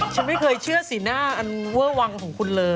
ฉันไม่เคยเชื่อสีหน้าอันเวอร์วังของคุณเลย